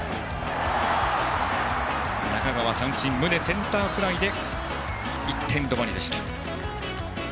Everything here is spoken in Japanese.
中川が三振宗はセンターフライで１点止まりでした。